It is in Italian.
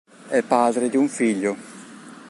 È padre di un figlio.